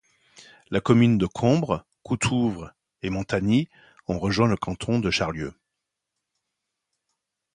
Les communes de Combre, Coutouvre et Montagny ont rejoint le canton de Charlieu.